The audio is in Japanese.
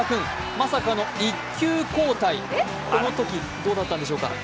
まさかの１球交代、このときどうだったんでしょうか？